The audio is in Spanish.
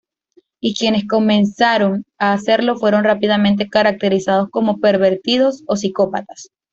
Y quienes comenzaron a hacerlo, fueron rápidamente caracterizados como pervertidos o psicópatas.